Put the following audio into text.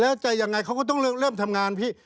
แล้วจะยังไงเขาก็ต้องเริ่มทำงานพี่